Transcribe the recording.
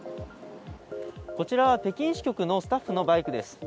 こちらは北京支局のスタッフのバイクです。